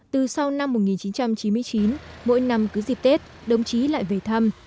từ sau năm một nghìn chín trăm chín mươi chín mỗi năm cứ dịp tết đồng chí lại về thăm